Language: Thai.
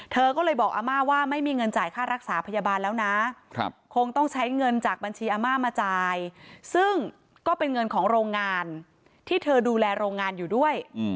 เธอก็เลยบอกอาม่าว่าไม่มีเงินจ่ายค่ารักษาพยาบาลแล้วนะคงต้องใช้เงินจากบัญชีอาม่ามาจ่ายซึ่งก็เป็นเงินของโรงงานที่เธอดูแลโรงงานอยู่ด้วย